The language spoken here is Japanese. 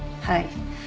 はい。